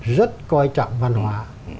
rất quan trọng văn hóa